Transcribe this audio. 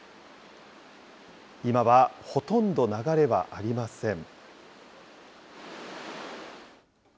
今はほとんど流れはありません。